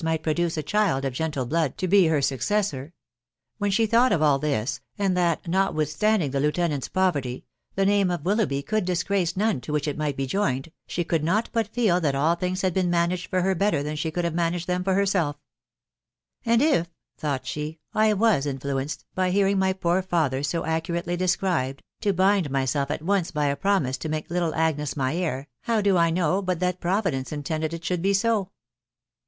might' produce a; child of gentle blood to be hensm when she thought, of all this, and that, not withstanding that lieutenant's poverty, the name of Willonghby could (tfagracer none to which it might be joined, she could not but feel thmfe all things; had been managed for her better than sh* could hare managed thetn for herself; " And ifj" thought she, " I was influenced, by hearing wtp poor father so accurately described^ tu bind myself aloawa by< a promisa to make little Agnesuny heir, how: do* I know But that Providence intended it should b» sot?"